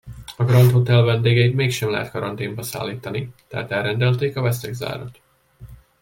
A Grand Hotel vendégeit mégsem lehet karanténba szállítani, tehát elrendelték a vesztegzárat.